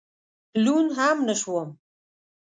لوند هم نه شوم.